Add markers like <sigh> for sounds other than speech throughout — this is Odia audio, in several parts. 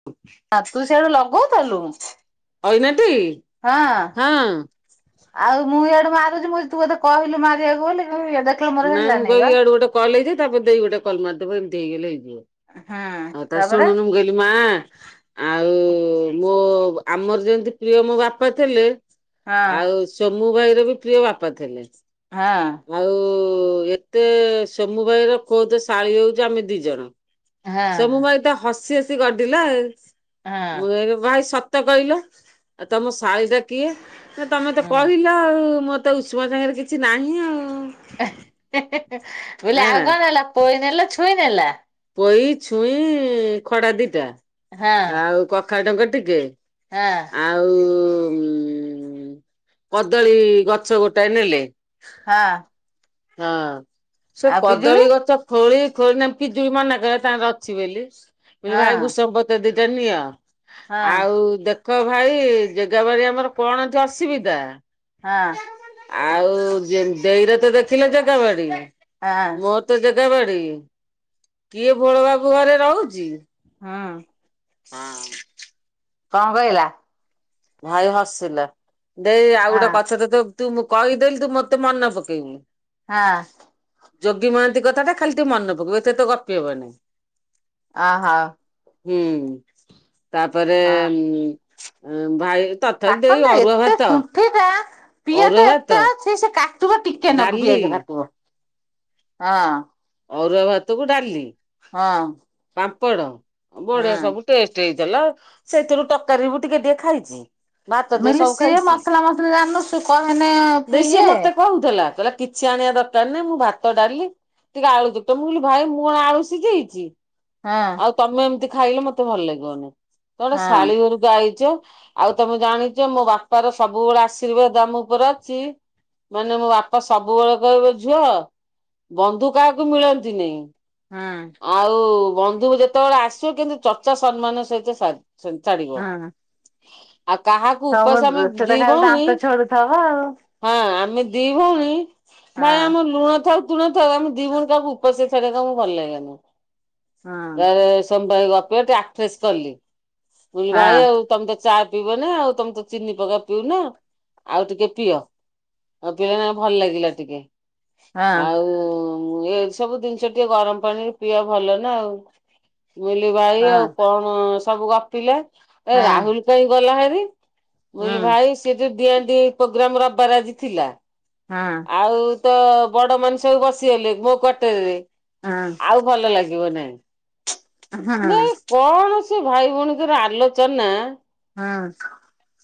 <unintelligible> ତା ତୁ ସିଆଡୁ ଲଗଉଥିଲୁ? ଅଇନା ଟି? ହଁ। ଆଉ ମୁଁ ଇଆଡୁ ମାରୁଛି ମୁଁ କହିଲି ତୁ ବୋଧେ କହିଲୁ ମାରିବାକୁ ବୋଲି ଉ ଏବେ ନାଇ ମୁଁ କହିବି ଇଆଡୁ ଗୋଟେ କଲ ହେଇଯାଉ ତାପରେ ଦେଇ ଗୋଟେ କଲ ମାରିଦବ ଏମିତି ହେଇଗଲେ ହେଇଯିବ। ହଁ ହଉ ତା ତାପରେ ଶୁଣୁନୁ ମୁଁ କହିଲି ମା ଆଉ ମୋ ଆମର ଯେମିତି ପ୍ରିୟ ମୋ ବାପା ଥିଲେ ହଁ ଆଉ ସୋମୁ ଭାଇର ବି ପ୍ରିୟ ବାପା ଥିଲେ। ହଁ। ଆଉ ଏତେ ସୋମୁ ଭାଇର ଖୋଦ୍ ଶାଳୀ ହୋଉଛୁ ଆମେ ଦି ଜଣ। ହଁ ଶୋମୁ ଭାଇ ତ ହସି ହସି ଗଡିଲା। ହଁ ମୁ କହିଲି ଭାଇ ସ ତ କହିଲ ଆଉ ତମ ଶାଳୀ ଟା କିଏ? ନା ତମେ ତ ହୁଁ କହିଲ ଆଉ ମତେ ତ ଉଷ୍ମ ଯାଗା ରେ କିଛି ନାହିଁ ଆଉ। ମୁଁ କହିଲି ହେ ଆଉ ନା। କଣ ନେଲା? ପୋଇ ନେଲା ଛୁଇଁ ନେଲା। ପୋଇ, ଛୁଇଁ ଖଡା ଦିଟା ଆଉ କଖାରୁ ଡଙ୍କ ଟିକେ। ନା। ଆଉ କଦଳୀ ଗଛ ଗୋଟାଏ ନେଲେ। ହଁ। ହଁ। ସେ ଆଉ ପିଜୁଳି କଦଳୀ ଗଛ ଖୋଳି ଖୋଳି ବି ମନା କଲା ତାଙ୍କର ଅଛି ବେଲି। ମୁଁ କହିଲି ହଁ ଭାଇ ଭୃସଙ୍ଗ ପତ୍ର ଦିଟା ନିଅ। ହଁ ଆଉ ଦେଖ ଭାଇ ଜେଗା ବାଡି ଆମର କଣ ଏଠି ଅସୁବିଧା ହଁ। ଆଉ ଦେଇର ତ ଦେଖିଲେ ଜେଗା ବାଡି, ହଁ ମୋର ତ ଜାଗା ବାଡି କିଏ ଭୋଳ ବାବୁ ଘରେ ରହୁଚି? ହଁ। ହଁ। କଣ କହିଲା? ଭାଇ ହସିଲା। ଦେଇ ଆଉ ହଁ ଗୋଟେ କଥା ତତେ ତୁ ମୁଁ କହିଦେଲି ତୁ ମତେ ମନେ ପକେଇବୁ। ହଁ। ଯୋଗୀ ମହାନ୍ତି କଥାଟା ଖାଲି ଟିକେ ମନେ ପକେଇବୁ। ଏତେ ତ ଗପି ବନି। ଅ ହ। ହୁଁ, ତାପରେ ହଁ ଭାଇ ତଥାପି ସେଇ ଅରୁଆ ଭାତ। ହେ ଯା। ଅରୁଆ ଭାତ ଛି ସେ ସେ କାଟିବ, ଟିକେ ନାକୁ ଡାଲି ପିଆଜ କାଟିବ। ହଁ। ଅରୁଆ ଭାତ କୁ ଡାଲି। ହଁ। ପାମ୍ପଡ ହଁ ବଢିଆ ସବୁ ଟେଷ୍ଟ ହେଇଥିଲା। ସେଥିରୁ ତରକାରୀ ମୁଁ ଟିକେ ଟିକେ ଖାଇଛି। ଭାତ ମୁଁ ସେ କହିଲି ସବୁ ସିଏ ଖାଇଛି ସେ। ମସଲା ମସଲି ଜାଣିନୁ ସେ କହେନେ ଦେଇ ସେ ଇଏ ମତେ କହୁଥିଲା। କହିଲା କିଛି ଆଣିବା ଦରକାର ନାହିଁ ମୁଁ ଭାତ, ଡାଲି ଟିକେ ଆଳୁ ଦବୁ। ମୁଁ କହିଲି ଭାଇ ମୁଁ କଣ ଆଳୁ ସିଝେଇଛି। ହଁ। ଆଉ ତମେ ଏମିତି ଖାଇଲେ ମତେ ଭଲ ଲାଗିବନି। ଜଣେ ଗୋଟେ ହଁ ଶାଳୀ ଘରୁ ଯାଇଚ। ଆଉ ତମେ ଜାଣିଚ ମୋ ବାପାର ସବୁବେଳେ ଆଶୀର୍ବାଦ ଆମ ଉପରେ ଅଛି। ମାନେ ମୋ ବାପା ସବୁବେଳେ କହିବେ ଝୁଅ ବନ୍ଧୁ କାହାକୁ ମିଳନ୍ତିନି। ହଁ ଆଉ ବନ୍ଧୁକୁ ଯେତେବେଳେ ଆସିବ, କିନ୍ତୁ ଚର୍ଚା ସମ୍ମାନ ସହିତ ଛାଡି ଛାଡ଼ିବ। ହଁ ଆଉ କାହାକୁ ତମ ଉପାସ ଆମେ ସେଟା ଦି ଖାଲି ଭଉଣି ଦାନ୍ତ ଛଡୁଥବ ଆଉ ହଁ ଆମେ ଦି ଭଉଣୀ ମାନେ ହଁ ଆମର ଲୁଣ ଥାଉ ତୁଣ ଥାଉ। ଆମେ ଦି ଭଉଣୀ କାହାକୁ ଉପାସ୍ ରେ ଛାଡିବାକୁ ଭଲ ଲାଗେନି। ହଁ ତାପରେ ସୋମବାର ରବିବାରେ ଟିକେ <unintelligible> କଲି। କହିଲି ଭାଇ ହଁ ଆଉ ତମେ ଚା ପିଇବନା। ଆଉ ତମେ ତ ଚିନି ପକା ପିଉନ ଆଉ ଟିକେ ପିଅ। <unintelligible> ଭଲ ଲାଗିଲା ଟିକେ। ହଁ ଆଉ ଏ ସବୁ ଜିନିଷ ଟିକେ ଗରମ ପାଣି ପିଅ ଭଲ ନା ଆଉ। ମୁଁ କହିଲି ଭାଇ ହଁ ଆଉ କଣ ସବୁ ଗପିଲେ। ଏ ହଁ ରାହୁଲ କାଇଁ ଗଲା ହାରି। ମୁଁ ହୁଁ କହିଲି ଭାଇ ସିଏ ତ ଡିଆଁ ଡେଇଁ ପ୍ରୋଗ୍ରାମ ରବିବାର ଆଜି ଥିଲା। ହଁ। ଆଉ ତ ବଡମାନେ ସବୁ ବସିଗଲେ ମୋ କ୍ଵାଟରରେ। ଆଁ। ଆଉ ଭଲ ଲାଗିବ ନାହିଁ। ବେ ହାଁ। କଣ ସେ ଭାଇ ଭଉଣୀଙ୍କର ଆଲୋଚନା ହାଁ।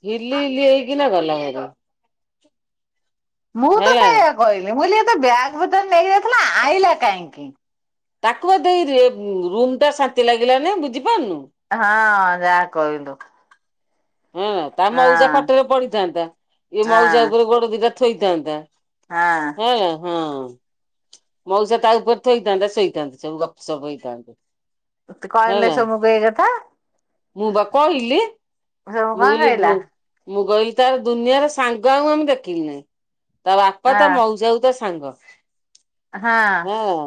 ହିଲି ହିଲି ହେଇକିନା ଗଲା ଭାରି। ହେଲା। କହିଲିନି ମୁଁ କହିଲି ଏତ ବ୍ୟାଗ୍ ପତର ନେଇକି ଯାଇଥିଲା ଆ-ଆଇଲା କାହିଁକି। ତାକୁ ବା ଦେଇ ଏ ଉଁ ରୁମଟା ଶାନ୍ତି ଲାଗିଲା ନାଇଁ ବୁଝିପାରୁନୁ। ହଁ ଯାହା କହିଲୁ। ହଁ ତା ମଉସା ହଁ ଖଟରେ ପଡିଥାନ୍ତା। ଇଏ ମଉସା ହଁ ଉପରେ ଗୋଡ ଦିଟା ଥୋଇଥାନ୍ତା। ହଁ ହେଁୟା ହଁ। ମଉସା ତା ଉପରେ ଥୋଇଥାନ୍ତା। ଶୋଇଥାନ୍ତେ ସବୁ ଗପ ସପ ହେଇଥାନ୍ତେ। ତୁ କହିଲୁ ହେଲା ନାଇଁ ସୋମୁକୁ ଏଇ କଥା। ମୁଁ ବା କହିଲି, ସୋମୁ ମୁଁ କଣ କହିଲି କହିଲା ଉଁ ମୁଁ କହିଲି ତାର ଦୁନିଆର ସାଙ୍ଗ ଆଉ <unintelligible> ଦେଖିଲି ନାହିଁ। ତା ବାପା ତା ହଁ ମଉସାକୁ ତା ସାଙ୍ଗ ହଁ ହଁ।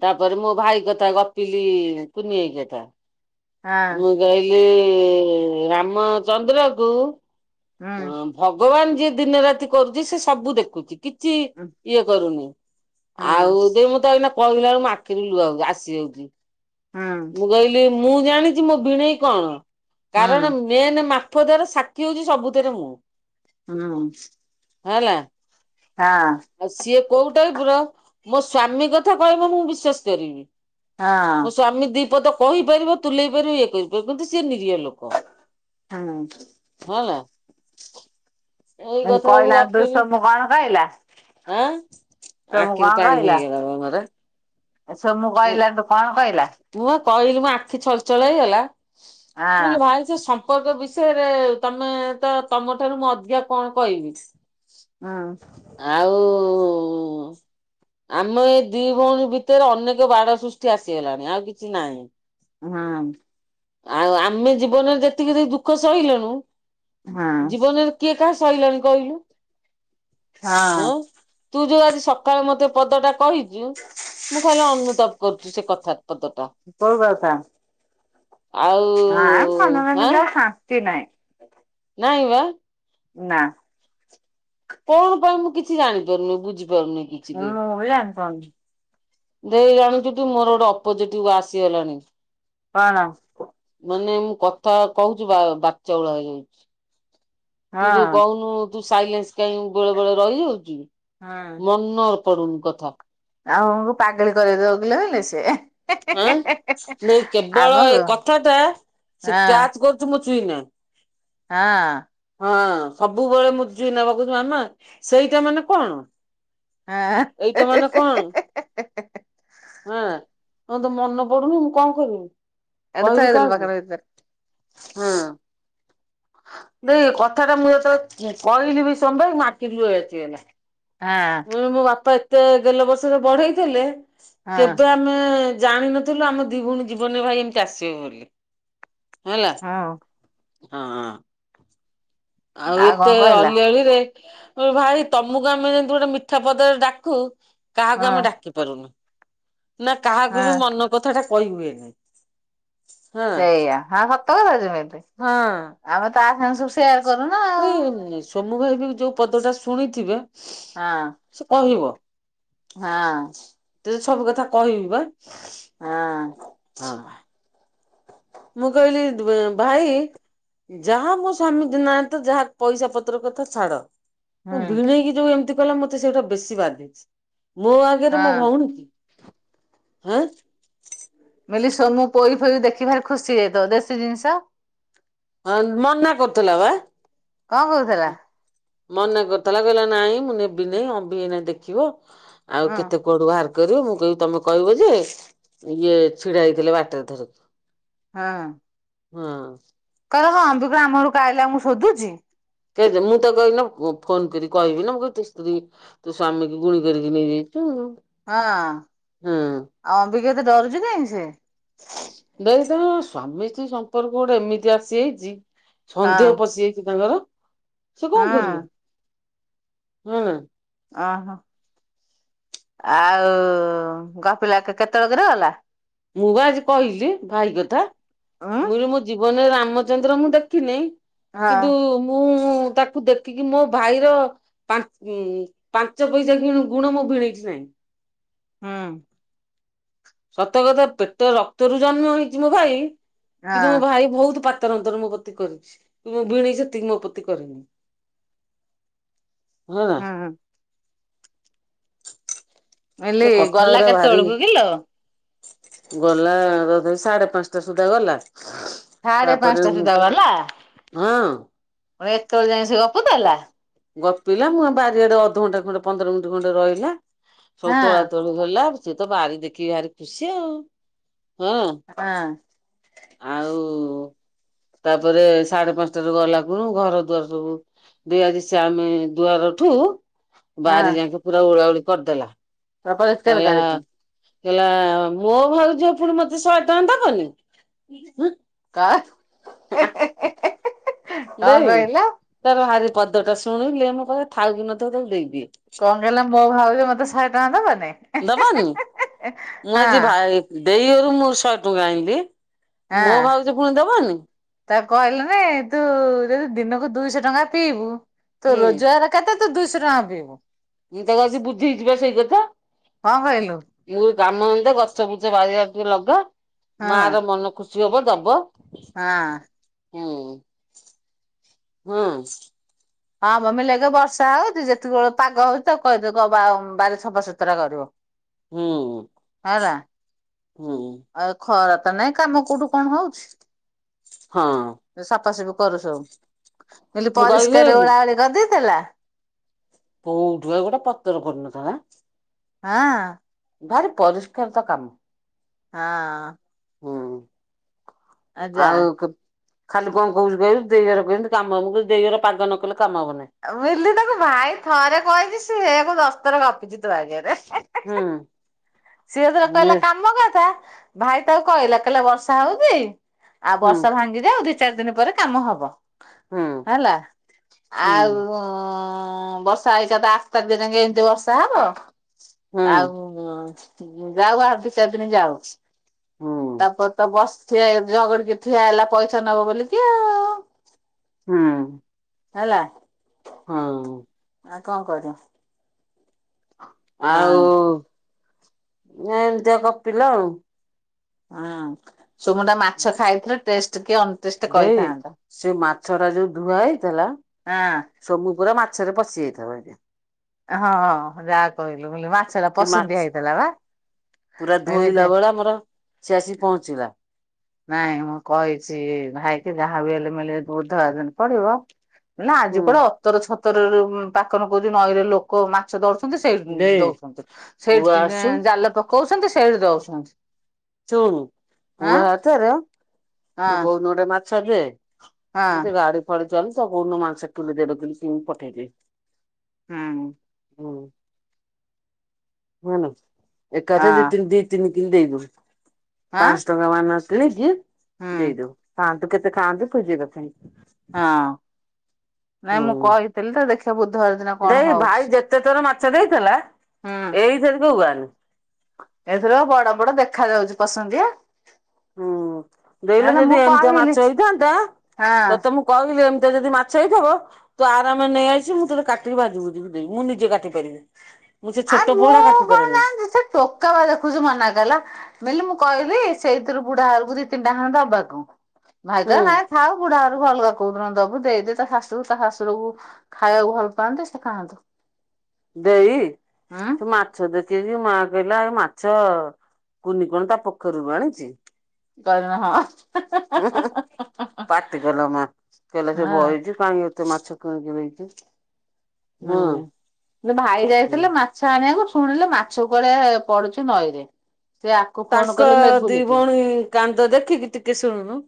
ତା ପରେ ମୋ ଭାଇ କଥା ଗପିଲି କୁନି ଭାଇ କଥା। ହଁ ମୁଁ କହିଲି ଇଁ ରାମଚନ୍ଦ୍ରକୁ ହୁଁ ଅଁ ଭଗବାନ ଯିଏ ଦିନ ରାତି କରୁଛି ସେ ସବୁ ଦେଖୁଛି। କି ଛି ଇଏ କରୁନି। ହୁଁ ଆଉ ଦେଇ ମୁଁ ତତେ ଅଇନା କହିଲା ବେଳୁକୁ ମୋ ଆଖିରୁ ଲୁହ ଆଉ ଆସିଯାଉଛି। ହୁଁ ମୁଁ କହି ଲି ମୁଁ ଜାଣିଛି ମୋ ଭିଣେଇ କଣ। ହୁଁ କାରଣ ହୁଁ ମେନ୍ ମାଫଦର ସାକ୍ଷୀ ହଉଛି ସବୁ <unintelligible> ମୁଁ। ହୁଁ। ହେଲା। ହାଁ। ଆଉ ସିଏ କୋଉ ଟାଇପର ମୋ ସ୍ଵାମୀ କଥା କହିବ ମୁଁ ବିଶ୍ଵାସ କରିବି। ମୋ ସ୍ବାମୀ ଦି ପଦ କହିପାରିବ ତୁଲେଇ ପାରିବ ଇଏ କରିପାରିବ, କିନ୍ତୁ ସିଏ ନିରୀହ ଲୋ ହଁ। ହେଲା। ଏଇ ହୁଁ କଥା ସବୁ କହିଲାଠୁ ଗପିଲି। ସୋମୁ କଣ କହିଲା ଆଁ ସୋମୁ ଆଖିରୁ ପାଣି ଭୋଇଗଲା ବା ମୋର। ଏ ସୋମୁକୁ କହିଲା ଠୁ କଣ କହିଲା? ମୁଁ ବା କହିଲି ମୋ ଆଖି ଛଳଛଳ ହେଇଗଲା। ମୁଁ କହିଲି ହଁ ଭାଇ ସେ ସମ୍ ପର୍କ ବିଷୟରେ ତମେ ତ ତମଠାରୁ ମୁଁ ଅଧିକା କଣ କହିବି। ହଁ। ଆଉ ଆମ ଏଇ ଦି ଭଉଣୀ ଭିତେରେ ଅନେକ ବାଡ ସୃଷ୍ଟି ଆସିଗଲାଣି ଆଉ କିଛି ନାହିଁ। ହଁ। ଆଉ ଆମେ ଜୀବନରେ ଯେତିକି ଯେତିକି ଦୁଃଖ ସହିଲେଣୁ ହଁ ଜୀବନରେ କିଏ କାହାର ସହିଲାଣି କହିଲୁ? ହଁ ଅଁ। ତୁ ଯୋଉ ଆଜି ସକାଳେ ମତେ ପଦଟା କହିଛୁ, ମୁଁ ଖାଲି ଅନୁତାପ କରୁ ଚି ସେ କଥାର୍ ପଦଟା। କୋଉ କଥା? ଆଉ ନାଁ ମନ <unintelligible> ଶାନ୍ତି ନାହିଁ। ନାହିଁ ବା। ନା। କଣ ପାଇଁ ମୁଁ କିଛି ଜାଣିପାରୁନି ବୁଝିପାରୁନି କି ହଁ ମୁଁ ବି ଜାଣିପାରୁନି। ଦେଇ ଜାଣିଛୁ ଟି ମୋର ଗୋଟେ ଅପୋଜିଟ କୁ ଆସିଗଲାଣି। କଣ? ମାନେ ମୁଁ କଥା କହୁଛିୁ ବା ବାଚାଉଳା ହେଇଯାଉଛି। ତୁ ହଁ ଯୋଉ କହୁନୁ ତୁ ସାଇଲେନ୍ସ କାଇଁ ବେଳେ ବେଳେ ରହିଯାଉଛୁ ମନ ପଡୁନି କଥା। ଆଉକୁ ପାଗଳି କରି ଦବ କିଲୋ ହେଲେ ସେ। ହଁ ନାଇଁ କେବଳ ଏ ଆମକୁ କଥା ଟା ହଁ ସେ କ୍ୟାଚ କରୁଛି ମୋ ଛୁଇଁନା। ହଁ। ହଁ ସବୁବେଳେ ମୋ ଚୁଇଁନା ବା କହୁଛି ମାମା ସେଇଟା ମାନେ କଣ? ହଁ। ଏଇଟା ମାନେ କଣ ହଁ। ହଁ ତ ମନ ପଡୁନି ମୁଁ କଣ କରିବି ଏଇଠି କହିବି ଥୋଇଦେଲୁ କାହାକୁ। ପାଖରେ ଭିତରେ ହଁ। ନ କଥା ଟା ମୁଁ ଏତେ କହିଲି ବି ସମ୍ବେ ମୋ ଆଖିରୁ ଲୁହ ଆସିଗଲା। ହଁ ମୋ ବାପା ଏତେ ଗେଲ ବର୍ଷରେ ବଢେଇଥିଲେ ହଁ କେବେ ଆ ଆମେ ଜାଣିିନଥିଲୁ ଆମ ଦି ଭଉଣି ଜୀବନରେ ଭାଇ ଏମିତି ଆସିବ ବୋଲି। ହେଲା ହଁ ହଁ। ଆଉ କଣ ଏତେ କହିଲା ଅଲିଅଳୀ ରେ <unintelligible> ଭାଇ ତମକୁ ଆମେ ଯେମିତି ଗୋଟେ ମିଠା ପଦରେ ଡାକୁ କାହାକୁ ହଁ ଆମେ ଡାକି ପାରୁନୁ ନା କାହାକୁ ହଁ ବି ମନ କଥା ଟା କହି ହୁଏନି। ହଁ ସେଇଆ ହଁ ସତ କଥା ଯେମିତି ଆମେ ତା ସାଙ୍ଗେ ସବୁ ସେୟାର କରୁନା। ଆଉ ନ ସୋମୁ ଭାଇ ବି ଯୋଉ ପଦ ଟା ଶୁଣିଥିବେ ହଁ ସେ ହଁ। ତେତେ ସବୁ କଥା କହିବି ବା ହଁ ହଁ। ମୁଁ କହିଲି ଭାଇ ଯାହା ମୋ ସ୍ଵାମୀ ଦିନାହାନ୍ତ ଯାହା ପଇସା ପତ୍ର କଥା ଛାଡ। ମୋ ହୁଁ ଭିଣେଇକି ଯୋଉ ଏମିତି କଲା ମତେ ସେଇଟା ବେଶୀ ବାଧିଛି ମୋ ଆଗରେ ମୋ ହଁ ଭଉଣୀ କି। ହ୍ନା ମିଲି ସୋନୁ ପୋଇ ଫୋଇ ଦେଖି ଭାରି ଖୁସି ହୋଇଜାଇଥିବ ଦେଶୀ ଜିନିଷ। ହଁ ମନା କରୁଥିଲା ବା। କଣ କହୁଥିଲା? ମନା କରୁଥିଲା କହିଲା ନାଇଁ ମୁଁ ନେବି ନାଇଁ ଅବି ଏଇନା ଦେଖିବ ଆଉ ହଁ କେତେ କଡୁ ବାହାର କରିବ ମୁଁ କହିଲି ତମେ କହିବ ଯେ ଇଏ ଛିଡା ହେଇଥିଲେ ବାଟରେ ଧରିକି। ହଁ। ହୁଁ। କହିବ ଆମ୍ବି କଣ ଆମ ଘରକୁ ଆଇଲେ ମୁଁ ସୋଧୁଚି। କେହି ମୁଁ ତ ଗନ ଫୋନ କରି କହିବି ନା ମୁଁ କହିବି ତୋ ସ୍ତ୍ରୀ ତୋ ସ୍ୱାମୀ କୁ ଗୁଣି କରିକି ନେଇଯାଇଛୁ। ହଁ ଆଉ ହଁ ଅମ୍ବିକା ଏତେ ଡରୁଛି କାଇଁ ସେ। ଦେଇ ତମ ସ୍ୱାମୀ ସ୍ତ୍ରୀ ସମ୍ପର୍କ ଗୋଟେ ଏମିତି ଆସିଯାଇଛି ହଁ ସନ୍ଦେହ ପଶିଯାଇଛି ତାଙ୍କର ସେ କଣ କରିବେ। ହଁ ହଁ। ଓହୋ। ଆଉ ଗପିଲା କେତେବେଳକରେ ଗଲା? ମୁଁ ବା ଆଜି କହିଲି ଭାଇ କଥା ଉଁ ମୁଁ <unintelligible> ମୋ ଜୀବନରେ ରାମଚନ୍ଦ୍ର ମୁଁ ଦେଖିନି। ହଁ କିନ୍ତୁ ମୁଁ ତା ତାକୁ ଦେଖିକି ମୋ ଭାଇର ପାଞ୍ଚ ପାଞ୍ଚ ପଇସା <unintelligible> ଗୁଣ ମୋ ଭିଣେଇଠି ନାହିଁ। ହଁ। ସତକଥା ପେଟ ରକ୍ତରୁ ଜନ୍ମ ହେଇଛି ମୋ ଭାଇ କିନ୍ତୁ ମୋ ହଁ ଭାଇ ବହୁତ ପା ତାର ଅନ୍ତର ମୋ ପତି କରିଛି ମୋ ଭିଣେଇ ସେତିକି ମୋ ପ୍ରତି କରିନି। ହଁ ନା ଆହାଁ ମୁଁ ସେ କହିଲି କଥା ଗଲା ଗୁରା କେତେ ଭାରି ବେଳକୁ କିଲୋ? ଗଲା ରଧେ ସାଢେ ପାଞ୍ଚଟା ସୁଦ୍ଧା ଗଲା। ସାଢେ ତାପରେ ପାଞ୍ଚଟା ମୁଁ ସୁଦ୍ଧା ଗଲା ହଁ ଏତୋଳ ଯାଏଁ ସେ ଗପୁଥୁଲା। ଗପିଲା ମୁଁ ଆ ବାରିଆଡେ ଅଧଘଣ୍ଟେ ଖଣ୍ଡେ ପନ୍ଦର ମିନଟି ଖଣ୍ଡେ ରହିଲା ସବୁ ହଁ ତୋଳା ତୋଳି ଗଲା ସିଏ ତ ବାରି ଦେଖିକି ଭାରି ଖୁସି ଆଉ ହଁ। ହଁ ଆଉ ତାପରେ ସାଢେ ପାଞ୍ଚଟାରୁ ଗଲାକୁରୁ ଘର ଦୁଆର ସବୁ ଦିଆ ଯେ ସି ସେ ଆମେ ଦୁଆରଠୁ ହଁ ବାରି ଯାଏଁକେ ପୁରା ଓଳା ଓଳି କରିଦେଲା। ଅପରିଷ୍କାର କହିଲା କରିଛି କଇଲା ମୋ ଭାଉଜ ଫୁଣି ମତେ ଶହେ ଟଙ୍କା ଦବନି। କ ହେ ହେ ହେ ହେ। ଦେଇ ତାର ହାରି ପଦଟା ଶୁଣିଲେ ମୁଁ କହେ ଥାଉ କି ନ ଥାଉ ତାକୁ ଦେଇଦିଏ। କଣ କହିଲେ ମୋ ଭାଉଜ ମତେ ଶହେ ଟଙ୍କା ଦବନି। ଦବନି। ମୁଁ ହଁ ଆଜି ଭାଇ ଦେଇ ହରୁ ମୁଁ ଶହେ ଟଙ୍କା ଆଣିଲି ମୋ ଭାଉଜ ଫୁଣି ଦବନି। ତା କହିଲୁନି ତୁ ଯଦି ଦିନକୁ ଦୁଇଶ ଟଙ୍କା ପିଇବୁ ତୁ ହୁଁ ରୋଜଗାର କତେ ତୁ ଦୁଇଶ ଟଙ୍କା ପିଇବୁ? ମୁଁ ତାକୁ ଆଜି ବୁଝେଇଚି ପା ସେଇ କଥା। କଣ କହିଲୁ? ମୁଁ କଲି ଗାମ ଅନ୍ଦେ ଗଛ ଫଛ ବାରିଆଡେ ଟିକେ ଲଗା ହଁ ମାର ମନ ଖୁସ୍ ଝିଅକୁ ଦବ। ହଁ। ହୁଁ ହଁ। ହଁ ମମି ଲାଗିବ ବର୍ଷା ହୋଉଚି ଯେତିକିବେଳେ ପାଗ ହୋଉଚି ତାକୁ କହିଦେ କହ ବା ଉମ୍ ବାରି ସଫାସୁତୁରା କରିବ। ହୁଁ। ହଁରା। ହୁଁ। ଆଉ ଖରା ତ ନାଇଁ କାମ କୋଉଠୁ କଣ ହୋଉଛି। ହଁ। ସଫାସଫି କରୁ ସବୁ ମୁଁ କହିଲି ମୁଁ କହିଲି ପରିଷ୍କାର ଓଳା ଓଳି କରିଦେଇ ଥିଲା? କୋଉଠୁ ପା ଗୋଟେ ପତର ପଡି ନଥିଲା। ହଁ। ଭାରି ପରିଷ୍କାର ତା କାମ। ହଁ। ହୁଁ ଯା ଆଉ। ଖାଲି କଣ କହୁଚି କହିଲୁ ଦେଇ ଘର କୋହୁଚନ୍ତି କାମ ହବ ମୁଁ କହିଲି ଦେଇ ଘର ପାଗ ନ କଲେ କାମ ହବ ନେଇ। ଆ ମୁଁ କହିଲି ତାକୁ ଭାଇ ଥରେ କହିଚି ସିଏ ସେଇଆକୁ ଦଶଥର ଗପିଚି ତୋ ଆଗେରେ। ହୁଁ। ସିଏ ଯେତେବେଳ କହିଲା ହୁଁ କାମ କଥା ଭାଇ ତାକୁ କହିଲା କହିଲେ ବର୍ଷା ହୋଉଚି ଆଉ ବର୍ଷା ଭାଙ୍ଗିଯାଉ ଦି ଚାରି ଦିନ ପରେ କାମ ହବ। ହୁଁ ହେଲା ହୁଁ ଆଉ ହଁ ବର୍ଷା ହେଇକା ତ ଆଠ ତାରିଖ ଯାଁକେ ଏମିତି ବର୍ଷା ହବ ହୁଁ ଆଉ ହଁ ଯାଉ ଆଉ ଦି ଚାରି ଦିନ ଯାଉ ହୁଁ ତାପରେ ତ ବସ୍ ସିଏ ଝଗଡି କରଥିଲା ହେଲା ପଇସା ନବ ବୋଲି କି ଆ ହଁ। ହେଲା ହଁ। ଆଉ କଣ କରିବ ହଁ ଆଉ ଏମିତିଆ କପିଲା ଆଉ ହଁ ସୁମୁ ଟା ମାଛ ଖାଇଥିଲେ ଟେଷ୍ଟ କି ଅନ ଟେଷ୍ଟ ଦେଇ କହିଥାନ୍ତା ସେ ମାଛରା ଯୋଉ ଧୁଆ ହେଇଥିଲା ହଁ ସୋମୁ ପୁରା ମାଛରେ ପଶିଯାଇଥିବ ଏଇଗା। ହଁ ଯାହା କହିଲୁ ମୁଲି ମାଛ ଟା ସେ ମାଛ ପସନ୍ଦିଆ ହେଇଥିଲା ବା। ପୁରା କହିଲେ ଧୋଇଲା ସେ ବେଳେ ଆମର ସେ ଆସିିକି ପହଞ୍ଚିଲା। ନାଇଁ ମୁଁ କହିଛି ଭାଇ କି, ଯାହାବି ହେଲେ ମୂଲି ବୁଧବାର ଦିନ ପଡିବ। ନା ଆଜି ହୁଁ କୁଆଡେ ଅତର ଛତର ରୁ ପାକନ କହୁଛି ନଈରେ ଲୋ କ ମାଛ ଧଡୁଛନ୍ତି ସେଇ ଦେଇ ଦଉଛନ୍ତି ପୁଅ ସେଇଠି ଆସୁ ଜାଲ ପ କଉଛନ୍ତି ସେଇଠୁ ଦଉଛନ୍ତି। ଶୁଣୁ ପୁଅ ଆଁ ହାତରେ ତୁ ହଁ କୋଉଦୁନ ଗୋଟେ ମାଛ ଦେ ହଁ ମତେ ଗାଡି ଫାଡି ଚାଲିଛ କୋଉ ମାଂସ କିଲି ଦେଢ କିଲି କିଣିକି ପଠେଇଦେ ହୁଁ ହୁ ନୁହେନା ଏକାଥ ଦି ହଁ ତି ଦି ତିନି କିିଲେ ଦେଇଗୁ ଆଁ ପାଞ୍ଚହ ଟଙ୍କା ମାନ ଆସଥିଲି କି ହୁଁ ଦେଇଦବୁ ଖାଆନ୍ତୁ କେତେ ଖାଆନ୍ତୁ ଖୋଜେ କଥା ହଁ ନାଇଁ ମୁଁ ହୁଁ କହିଥିଲି ତ ଦେଖିବା ବୁଧବାର ଦିନ କଣ ଦେଇ ହଉଛି ଭାଇ ଯେତେ ଥର ମାଛ ଦେଇଥିଲା ହୁଁ ଏଇଥିରେ ଉଆଳି ଏଥିର ବଡ ବଡ ଦେଖା ଯାଉଛି ପସନ୍ଦଆ ହୁଁ ଦେଲୁ ମୁଁ ଯଦି ଏମିତିଆ କହିଲି ମାଛ ହେଇଥାନ୍ତା ହଁ ତତେ ମୁଁ କହିଲି ଏମିତି ଯଦି ମାଛ ହେଇଥିବା ତୁ ଆରାମରେ ନେଇ ଆସି ମୁଁ ତୋତେ କାଟିକି ଭାଜିବୁଝି କି ଦେମୀ ମୁଁ ନିଜେ କାଟି ପାରିବି ମୁଁ ସେ ଛୋଟ ଆରେ ମୁଁ ପୋହଳା କାଟି କଣ ପାରେନି ଜାଣୀଚି ସେ ଟୋକା ବା ଦେଖୁଛି ମନା କଲା ବଇଲେ ମୁଁ କହିଲି ସେଇଥିରୁ ବୁଢା ଘରକୁ ଦି ତିନିଟା ଖଣ୍ଡେ ଦବାକୁ। ଭାଇ ହୁଁ ତ ନାଇଁ ଥାଉ ବୁଢା ଘରକୁ ଅଲଗା କ କୋଉଦିନ ଦବୁ ଦେଇଦେ ତା ଶାଶୁକୁ ତା ଶାଶୁୁରକୁ ଖାଇବାକୁ ଭଲ ପାଆନ୍ତି ସେ ଖାଆନ୍ତୁ। ଦେଇ। ହଁ। ସେ ମାଛ ଦେଖିକି ମାଆ କହିଲା ଏଇ ମାଛ କୁନି କଣ ତା ପୋଖରୀରୁ ଆଣିଛି। କହିଁ ଲୁନି ହଁ। ଉ ହୁ ପାଟି କଲ ମା କହିଲ ସେ ବଇଚି କାଇଁ ଏତେ ମାଛ କାହିଁକି ଦେଇଚି। ହୁଁ ସେ ଭାଇ ଯାଇଥିଲେ ମା ଛ ଆଣିବାକୁ ଶୁଣିଲେ ମାଛ କୁଆଡେ ପଡୁଛି ନଈରେ। ସେ ଆକୁ ଫୋନ ତାଙ୍କ କଲେ ଦି ମେଗୁଲିକି ଭଉଣୀ କାନ୍ଦ ଦେଖିକି ଟିକେ ଶୁଣୁନୁ